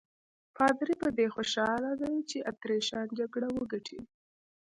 پادري په دې خوشاله دی چې اتریشیان جګړه وګټي.